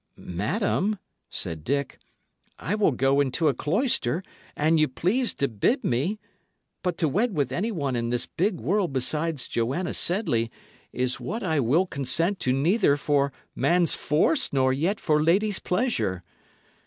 "Madam," said Dick, "I will go into a cloister, an ye please to bid me; but to wed with anyone in this big world besides Joanna Sedley is what I will consent to neither for man's force nor yet for lady's pleasure.